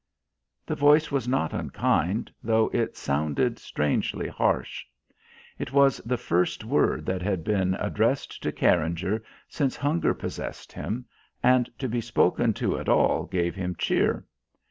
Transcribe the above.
The voice was not unkind, though it sounded strangely harsh. It was the first word that had been addressed to Carringer since hunger possessed him, and to be spoken to at all gave him cheer.